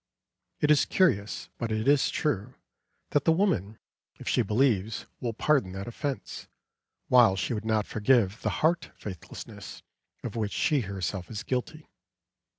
It is curious, but it is true, that the woman, if she believes, will pardon that offence, while she would not forgive the heart faithlessness of which she is herself guilty.